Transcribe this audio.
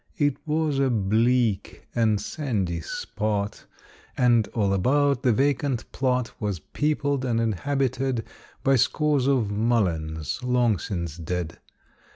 It was a bleak and sandy spot, And, all about, the vacant plot Was peopled and inhabited By scores of mulleins long since dead.